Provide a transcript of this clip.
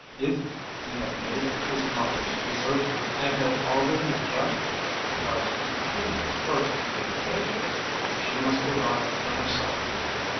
If he had made up his mind to desert her, and had already left her without intending further communication, she must provide for herself.